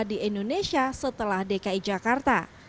di indonesia setelah dki jakarta